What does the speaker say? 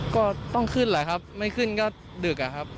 ก็ต้องขึ้นแหละครับไม่ขึ้นก็ดึกอะครับ